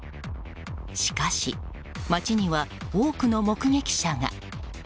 しかし、街には多くの目撃者が。